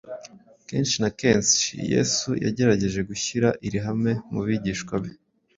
Kenshi na kenshi Yesu yagerageje gushyira iri hame mu bigishwa be.